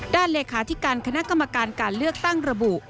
เลขาธิการคณะกรรมการการเลือกตั้งระบุ